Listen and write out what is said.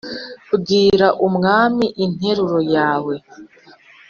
Bwira Umwami interuro yawe